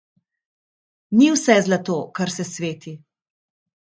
Ni vse zlato, kar se sveti.